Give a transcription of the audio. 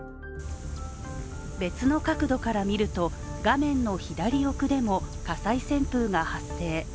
別の角度から見ると、画面の左奥でも火災旋風が発生。